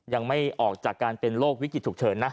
ยังไม่ออกจากการเป็นโรควิกฤตฉุกเฉินนะ